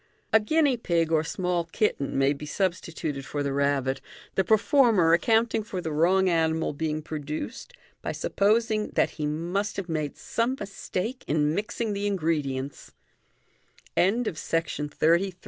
A guinea pig or small kitten may be substituted for the rabbit, the performer accounting for the wrong animal being produced bj supposing that be must have made some mistake in mixing the ingredients, MODERN